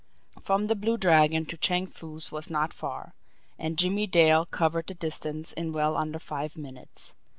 From the Blue Dragon to Chang Foo's was not far; and Jimmie Dale covered the distance in well under five minutes.